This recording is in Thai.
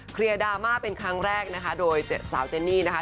ดราม่าเป็นครั้งแรกนะคะโดยสาวเจนนี่นะคะ